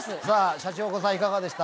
シャチホコさんいかがでした？